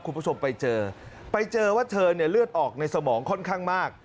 คุณผู้ชมไปเจอไปเจอว่าเธอเนี่ยเลือดออกในสมองค่อนข้างมาก